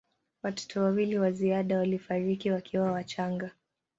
Watoto wawili wa ziada walifariki wakiwa wachanga.